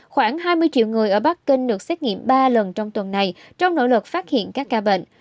khoảng hai mươi triệu người ở bắc kinh được xét nghiệm ba lần trong tuần này trong nỗ lực phát hiện các ca bệnh